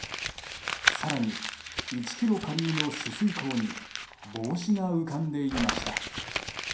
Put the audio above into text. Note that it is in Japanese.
更に１ｋｍ下流の取水口に帽子が浮かんでいました。